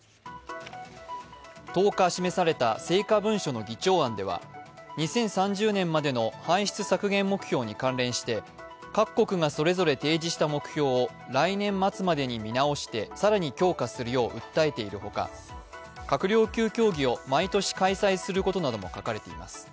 １０日、示された成果文書の議長案では２０３０年までの排出削減目標に関連して、各国がそれぞれ提示した目標を来年末までに見直して更に強化するよう訴えている他、閣僚級協議を毎年開催することなども書かれています。